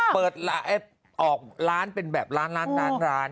เปิดร้านเออออกร้านเป็นแบบร้าน